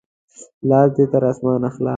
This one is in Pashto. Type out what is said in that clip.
لاس دې تر اسمانه خلاص!